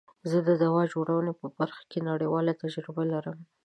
زه د دوا جوړونی په برخه کی نړیواله تجربه لرم.